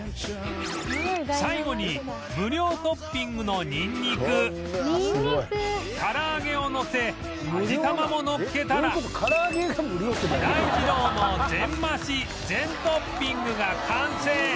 最後に無料トッピングのにんにくから揚げをのせ味玉ものっけたらダイ二郎の全増し全トッピングが完成！